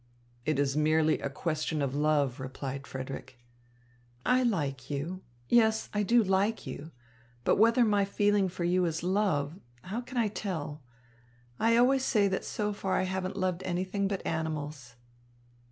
"It is merely a question of love," replied Frederick. "I like you. Yes, I do like you, but whether my feeling for you is love, how can I tell? I always say that so far I haven't loved anything but animals."